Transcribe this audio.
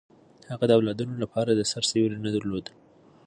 هغه د اولادونو لپاره د سر سیوری نه درلود.